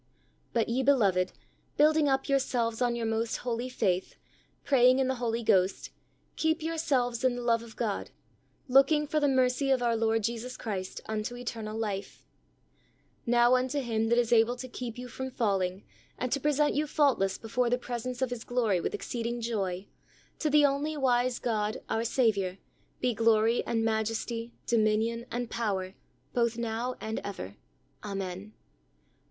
"But ye beloved, building up yourselves on your most holy faith, praying in the Holy Ghost, keep yourselves in the love of God, looking for the mercy of our Lord Jesus Christ unto eternal life ... Now unto Him that is able to keep you from falling, and to present you faultless before the presence of His glory with exceeding joy, to the only wise God, our Saviour, be glory and majesty, dominion and power both now and ever. Amen."